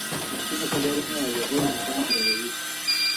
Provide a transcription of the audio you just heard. د رښتینو خبرو اورېدل انسان رغوي.